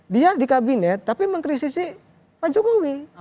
dia di kabinet tapi mengkritisi pak jokowi